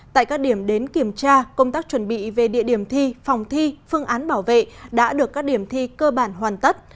tại các điểm đến kiểm tra công tác chuẩn bị về địa điểm thi phòng thi phương án bảo vệ đã được các điểm thi cơ bản hoàn tất